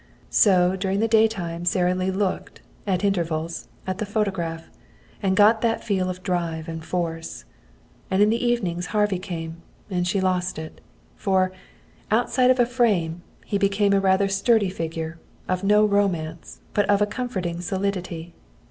So during the daytime Sara Lee looked at intervals at the photograph, and got that feel of drive and force. And in the evenings Harvey came, and she lost it. For, outside of a frame, he became a rather sturdy figure, of no romance, but of a comforting solidity.